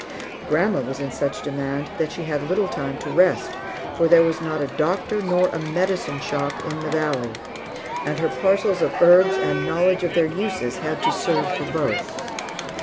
Grandma was in such demand that she had little time to rest; for there was not a doctor nor a "medicine shop" in the valley, and her parcels of herbs and knowledge of their uses had to serve for both.